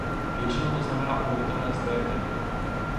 Většinou to znamená obnovitelné zdroje energie.